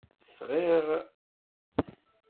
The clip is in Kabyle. Sɣiɣ-d akamyun aqbur.